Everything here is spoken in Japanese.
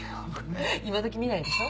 今どき見ないでしょ。